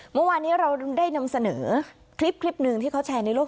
เมื่อวานนี้เราได้นำเสนอคลิปหนึ่งที่เขาแชร์ในโลก